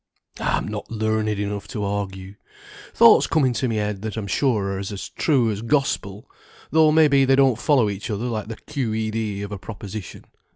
"I'm not learned enough to argue. Thoughts come into my head that I'm sure are as true as Gospel, though may be they don't follow each other like the Q. E. D. of a Proposition.